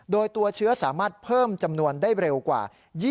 โดยตัวเชื้อสามารถเพิ่มจำนวนได้เร็วกว่า